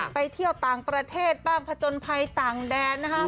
ไปเที่ยวต่างประเทศบ้างผจญภัยต่างแดนนะคะ